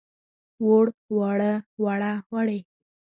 ووړ، واړه، وړه، وړې.